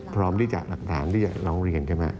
พร้อมได้ลักฐานที่จะล้องเรียนกัน